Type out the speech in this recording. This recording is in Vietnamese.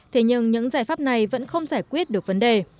thế nhưng những giải pháp này vẫn không giải quyết được vấn đề